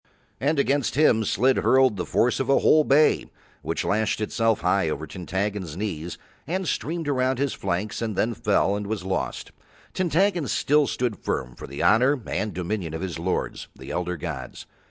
And against him Slid hurled the force of a whole bay, which lashed itself high over Tintaggon's knees and streamed around his flanks and then fell and was lost. Tintaggon still stood firm for the honour and dominion of his lords, the elder gods.